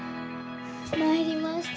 まいりました。